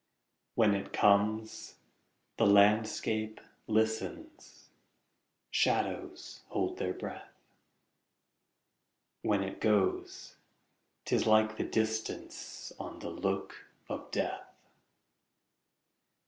When it comes, the landscape listens, Shadows hold their breath; When it goes, 't is like the distanceOn the look of death.